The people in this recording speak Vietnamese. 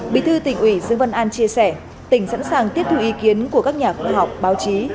bí thư tỉnh ủy dương văn an chia sẻ tỉnh sẵn sàng tiếp thu ý kiến của các nhà khoa học báo chí